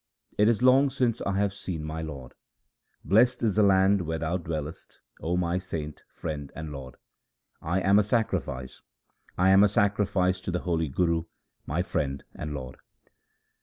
It is long since I have seen my lord. Blest is the land where thou dwellest, O my saint, friend, and lord. I am a sacrifice, I am a sacrifice to the holy Guru, my friend and lord.